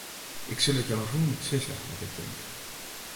Ik sil it jo rûnút sizze wat ik tink.